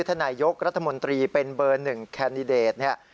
ถ้านายกรัฐมนตรีเป็นเบอร์หนึ่งแคนดิเดตเนี่ย